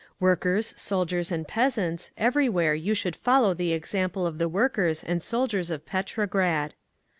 "Workers, soldiers, and peasants, everywhere you should follow the example of the workers and soldiers of Petrograd.